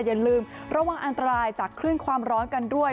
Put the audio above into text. อย่าลืมระวังอันตรายจากคลื่นความร้อนกันด้วย